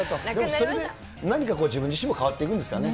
それで何かこう、自分自身も変わっていくんですかね。